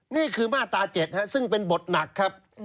นี่คือมาตรา๗ซึ่งเป็นบทหนักครับ